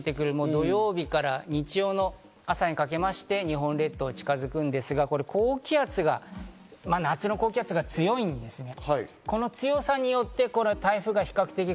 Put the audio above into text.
土曜日から日曜日の朝にかけまして日本列島に近づくんですが、高気圧が、夏の高気圧が強いんですね。